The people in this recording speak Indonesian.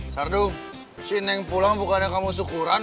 sardu si neng pulang bukan kamu syukuran